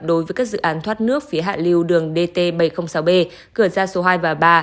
đối với các dự án thoát nước phía hạ liêu đường dt bảy trăm linh sáu b cửa ra số hai và ba